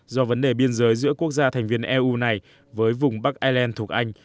do vấn đề biên giới giữa quốc gia thành viên eu này với vùng bắc ireland thuộc anh